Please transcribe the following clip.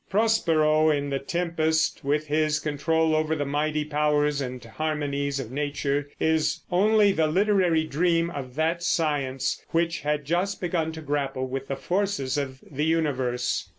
Prospero, in The Tempest, with his control over the mighty powers and harmonies of nature, is only the literary dream of that science which had just begun to grapple with the forces of the universe.